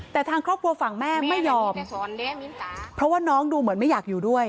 แต่ทางครอบครัวฝั่งแม่ไม่ยอมเพราะว่าน้องดูเหมือนไม่อยากอยู่ด้วย